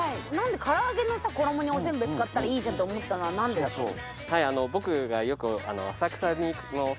からあげのさ衣におせんべい使ったらいいじゃんと思ったのは何でだったの？